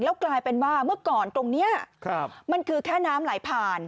กลายเป็นว่าเมื่อก่อนตรงนี้มันคือแค่น้ำไหลผ่าน